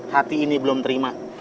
hati ini belum terima